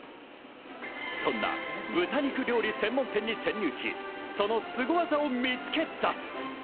そんな豚肉料理専門店に潜入し、そのスゴ技を見つけ出す。